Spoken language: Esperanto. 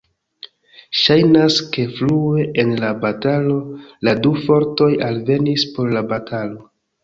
Ŝajnas ke frue en la batalo, la du fortoj alvenis por la batalo.